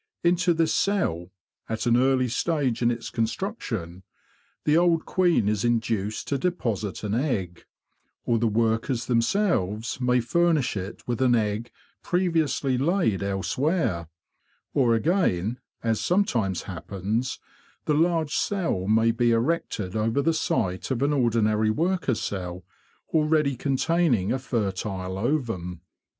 Into this cell, at an early stage in its construction, the old queen is induced to deposit an egg; or the workers themselves may furnish it with an egg previously laid elsewhere; or again—as sometimes happens—the large cell may be erected over the site of an ordinary worker cell already containing a fertile ovum.